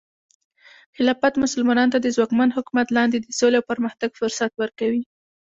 خلافت مسلمانانو ته د ځواکمن حکومت لاندې د سولې او پرمختګ فرصت ورکوي.